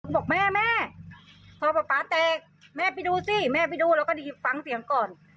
บอกแม่แม่พอป๊าป๊าแตกแม่ไปดูสิแม่ไปดูเราก็ได้ยินเสียงก่อน